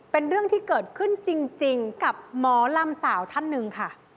เป็นเรื่องที่เกิดขึ้นจริงกับหมอลำสาวท่านหนึ่งค่ะ